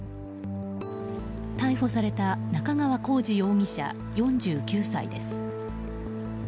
逮捕された中川浩二容疑者、４９歳です。